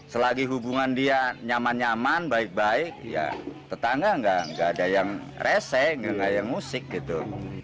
selagi hubungan dia nyaman nyaman baik baik ya tetangga nggak ada yang rese gak ada yang musik gitu